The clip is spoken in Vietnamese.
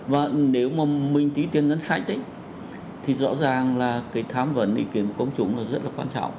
và nếu mà mình ký tiền ngân sách ấy thì rõ ràng là cái tham vấn ý kiến của công chúng là rất là quan trọng